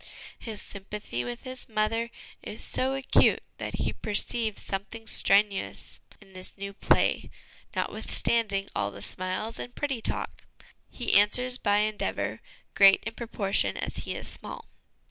His sympathy with his mother is so acute that he perceives some thing strenuous in the new play, notwithstanding all the smiles and pretty talk ; he answers by endeavour, great in proportion as he is small.